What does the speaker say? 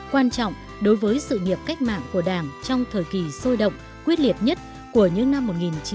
quan trọng đối với sự nghiệp cách mạng của đảng trong thời kỳ sôi động quyết liệt nhất của những năm một nghìn chín trăm ba mươi một nghìn chín trăm ba mươi một